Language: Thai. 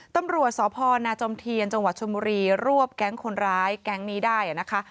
ตำรวจสพนจมจบชนบุรีรวบแก๊งคนร้ายแก๊งนี้ได้นะคะ